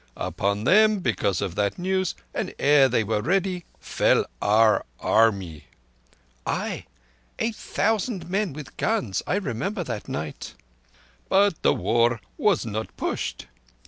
Upon them, because of that news, and ere they were ready, fell our Army." "Ay—eight thousand men with guns. I remember that night." "But the war was not pushed.